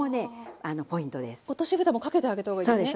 落としぶたもかけてあげたほうがいいですね。